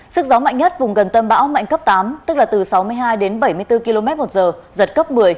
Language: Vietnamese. sức gió mạnh nhất vùng gần tâm bão mạnh cấp tám tức là từ sáu mươi hai đến bảy mươi bốn km một giờ giật cấp một mươi